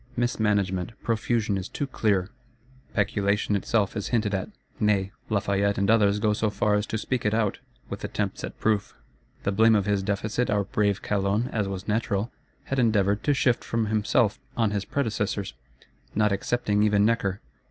Mismanagement, profusion is too clear. Peculation itself is hinted at; nay, Lafayette and others go so far as to speak it out, with attempts at proof. The blame of his Deficit our brave Calonne, as was natural, had endeavoured to shift from himself on his predecessors; not excepting even Necker.